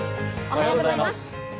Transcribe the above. おはようございます。